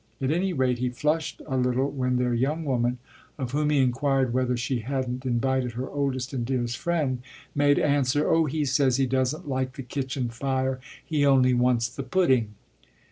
At any rate he flushed a little when their young woman, of whom he inquired whether she hadn't invited her oldest and dearest friend, made answer: "Oh he says he doesn't like the kitchen fire he only wants the pudding!"